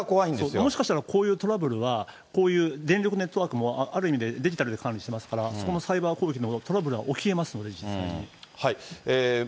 もしかしたらこういうトラブルは、こういう電力ネットワークもある意味でデジタルで管理しますからそこのサイバー攻撃でもトラブルは起きえますので、実際に。